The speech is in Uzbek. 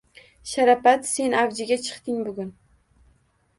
Sharapat sen avjiga chiqding bugun!